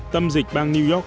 tâm dịch bang new york